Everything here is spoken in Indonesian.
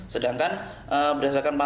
sedangkan berdasarkan pantauan